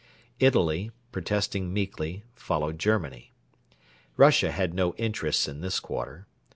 Italy, protesting meekly, followed Germany. Russia had no interests in this quarter.